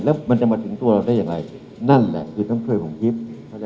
แล้วมันจะมาถึงตัวเราได้อย่างไรนั่นแหละคือต้องช่วยผมคิด